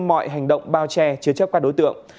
mọi hành động bao che chứa chấp các đối tượng